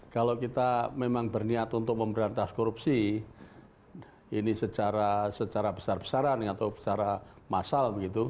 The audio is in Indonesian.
kalau kita memang berniat untuk memberantas korupsi ini secara besar besaran atau secara massal begitu